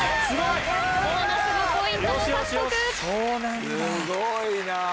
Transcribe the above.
すごいな。